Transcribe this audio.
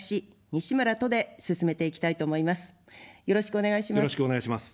よろしくお願いします。